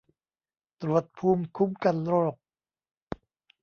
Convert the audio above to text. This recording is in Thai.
ตรวจภูมิคุ้มกันโรค